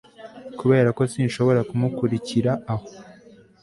Kuberako sinshobora kumukurikira aho